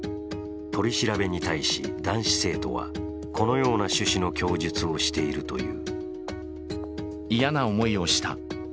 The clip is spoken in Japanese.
取り調べに対し、男子生徒はこのような趣旨の供述をしているという。